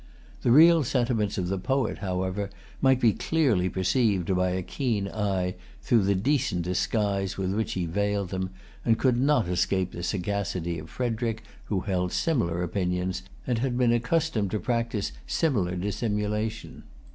The real sentiments of the poet, however, might be clearly perceived by a keen eye through the decent disguise with which he veiled them, and could not escape the sagacity of Frederic, who held similar opinions, and had been accustomed to practise similar dissimulation.